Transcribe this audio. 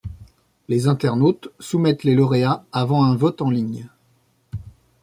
Les internautes soumettent les lauréats avant un vote en ligne.